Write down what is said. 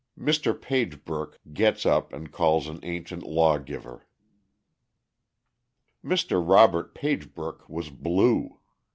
Mr. Pagebrook gets up and calls an Ancient Lawgiver. Mr. Robert Pagebrook was "blue."